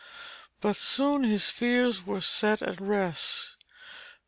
But soon his fears were set at rest.